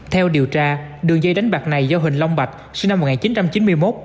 theo điều tra đường dây đánh bạc này do huỳnh long bạch sinh năm một nghìn chín trăm chín mươi một